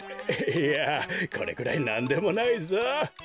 いやこれくらいなんでもないぞ。